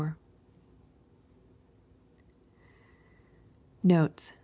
Notes.